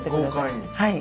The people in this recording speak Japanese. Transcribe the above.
はい。